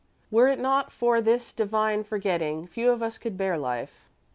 Were it not for this divine forgetting, few of us could bear life.